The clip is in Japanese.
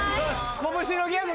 拳のギャグ。